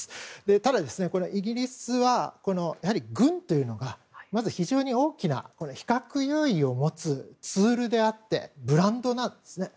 ただ、イギリスはやはり、軍というのがまず、非常に大きな比較優位を持つツールであってブランドなんですね。